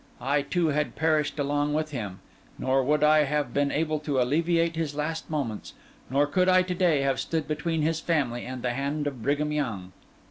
I, too, had perished along with him; nor would I have been able to alleviate his last moments, nor could I to day have stood between his family and the hand of Brigham Young.